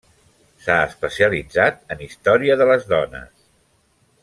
S'ha especialitzat en història de les dones.